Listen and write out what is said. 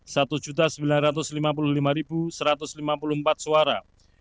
satu sembilan ratus lima puluh lima satu ratus lima puluh empat suara